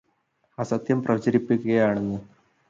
അസത്യം പ്രചരിപ്പിക്കുകയാണെന്ന്.